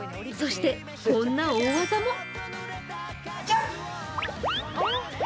そして、こんな大技も。